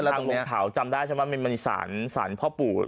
ตรงนี้มันเป็นทางลงเขาจำได้ใช่มั้ยมันมีสารพ่อปูโทนอยู่ด้วย